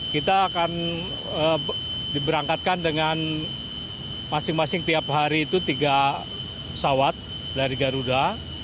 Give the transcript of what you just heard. kita akan diberangkatkan dengan masing masing tiap hari itu tiga pesawat dari garuda